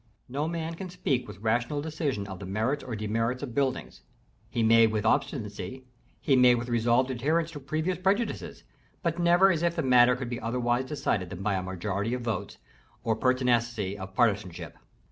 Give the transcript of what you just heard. No man can speak with rational decision of the merits or demerits of buildings: he may with obstinacy; he may with resolved adherence to previous prejudices; but never as if the matter could be otherwise decided than by a majority of votes, or pertinacity of partizanship.